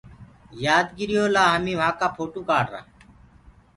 يآدگِريو لآ همي وهآنٚ ڪا ڦوٽو ڪڙوآرآ۔